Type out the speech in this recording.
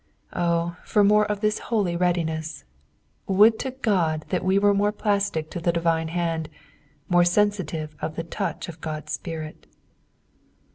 Oh, for more of this holy readiness I Would to Ood that we were more plastic to the divine hand, more aensitive of the touch of Ood's Spirit.